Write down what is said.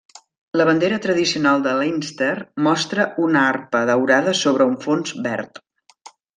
La bandera tradicional de Leinster mostra una arpa daurada sobre un fons verd.